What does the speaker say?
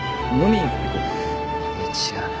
いや違うな。